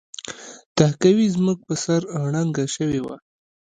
تهکوي زموږ په سر ړنګه شوې وه